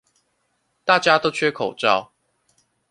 大家都缺口罩